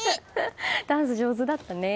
ダンス、上手だったね。